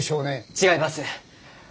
違います。